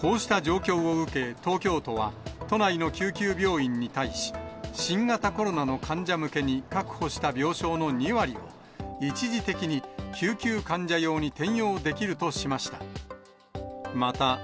こうした状況を受け、東京都は、都内の救急病院に対し、新型コロナの患者向けに確保した病床の２割を、一時的に救急患者用に転用できるとしました。